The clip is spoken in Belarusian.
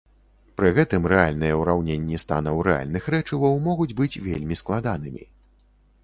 Пры гэтым рэальныя ўраўненні станаў рэальных рэчываў могуць быць вельмі складанымі.